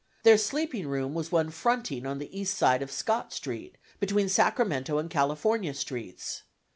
Their sleeping room was one fronting on the east side of Scott Street, between Sacramento and California Streets.